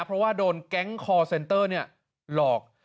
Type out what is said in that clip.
เพราะว่าโดนแก๊งคอร์เซ็นเตอร์หลอก